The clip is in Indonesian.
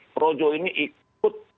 projo ini ikut tunduk dan patuh pada perintah